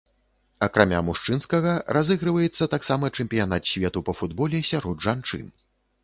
Акрамя мужчынскага, разыгрываецца таксама чэмпіянат свету па футболе сярод жанчын.